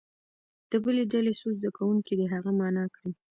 د بلې ډلې څو زده کوونکي دې هغه معنا کړي.